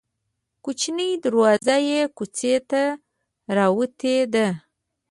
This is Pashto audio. کوچنۍ دروازه یې کوڅې ته راوتې ده.